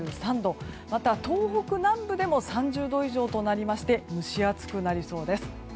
また東北南部でも３０度以上となりまして蒸し暑くなりそうです。